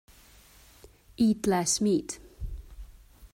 Eat less meat.